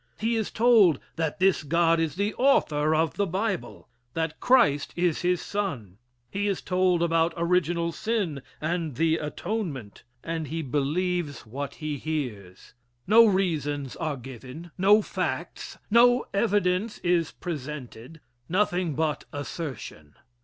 He is told that this God is the author of the Bible that Christ is his son. He is told about original sin and the atonement, and he believes what he hears. No reasons are given no facts no evidence is presented nothing but assertion.